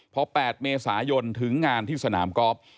พอ๘เมษายนถึงงานที่สนามกอล์ฟ